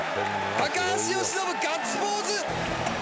高橋由伸、ガッツポーズ。